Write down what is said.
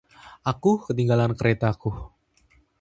Aku ketinggalan keretaku.